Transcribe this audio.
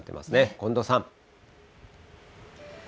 近藤さん。